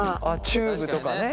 チューブとかね。